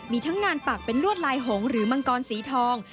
มีทั้งงานปักเป็นลวดลายหงหรือมังกรสีทอง